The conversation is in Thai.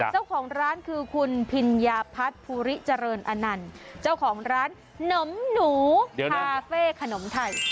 เจ้าของร้านคือคุณพิญญาพัฒน์ภูริเจริญอนันต์เจ้าของร้านหนมหนูคาเฟ่ขนมไทย